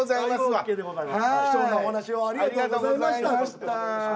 貴重なお話をありがとうございました。